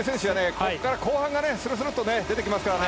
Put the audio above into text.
ここから後半がするするっと出てきますからね。